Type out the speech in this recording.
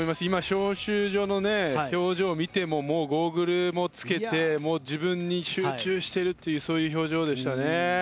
招集所の表情を見ていてもゴーグルをつけて自分に集中しているという表情でしたね。